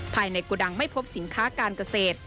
ภายในโกดังไม่พบสินค้าการเกษตร